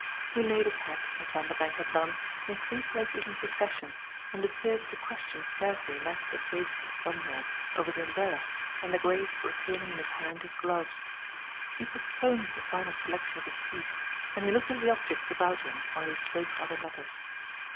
He laid his hat, as Vanderbank had done, in three places in succession and appeared to question scarcely less the safety, somewhere, of his umbrella and the grace of retaining in his hand his gloves. He postponed the final selection of a seat and he looked at the objects about him while he spoke of other matters.